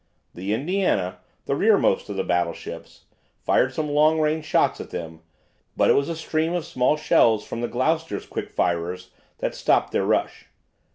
The "Indiana," the rearmost of the battleships, fired some long range shots at them, but it was a stream of small shells from the "Gloucester's" quick firers that stopped their rush.